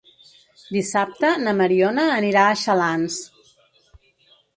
Dissabte na Mariona anirà a Xalans.